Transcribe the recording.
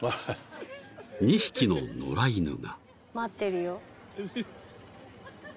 ［２匹の野良犬が］